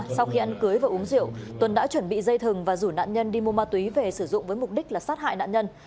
sau khi ăn cưới và uống rượu tuấn đã chuẩn bị dây thừng và rủ nạn nhân đi mua ma túy về sử dụng với mục đích là sát hại nạn nhân